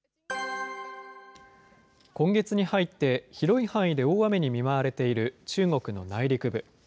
今月に入って、広い範囲で大雨に見舞われている中国の内陸部。